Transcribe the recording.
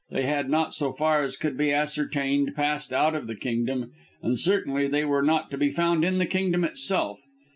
They had not, so far as could be ascertained, passed out of the kingdom, and certainly they were not to be found in the kingdom itself.